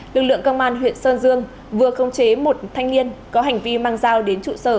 lực lượng công an huyện sơn dương vừa khống chế một thanh niên có hành vi mang dao đến trụ sở